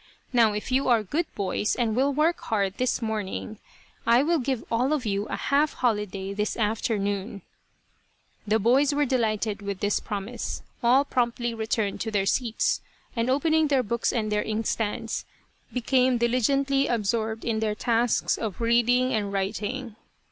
Now, if you are good boys and will work hard this morning, I will give all of you a half holiday this afternoon." The boys were delighted with this promise. All promptly returned to their seats, and opening their books and their inkstands, became diligently ab sorbed in their tasks of reading and writing.